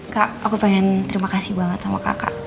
kak aku pengen terima kasih banget sama kakak